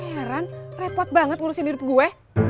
heran repot banget ngurusin diri gue